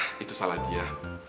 ah itu salah dia